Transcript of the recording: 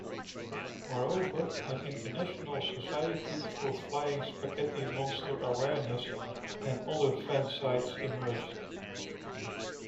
Moreover, an International Society for Flying Spaghetti Monster Awareness and other fan sites emerged.